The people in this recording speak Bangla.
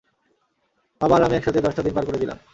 বাবা আর আমি একসাথে দশটা দিন পার করে দিলাম!